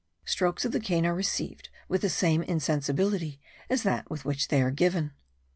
Strokes of the cane are received with the same insensibility as that with which they are given.